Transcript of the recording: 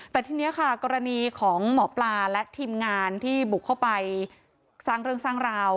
แต่ทีนี้ค่ะกรณีของหมอปลาและทีมงานที่บุกเข้าไปสร้างเรื่องสร้างราว